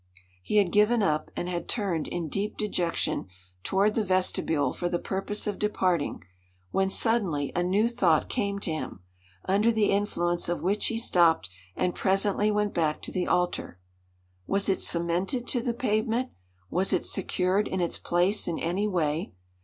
He had given up, and had turned, in deep dejection, toward the vestibule for the purpose of departing, when suddenly a new thought came to him, under the influence of which he stopped, and presently went back to the altar. Was it cemented to the pavement? Was it secured in its place in any way?